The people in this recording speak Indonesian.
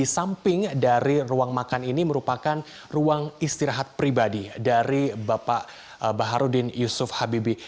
suping dari ruang makan ini merupakan ruang istirahat pribadi dari bapak b j habibie